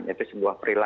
itu sebuah perhitungan